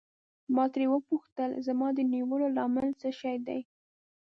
ما ترې وپوښتل زما د نیولو لامل څه شی دی.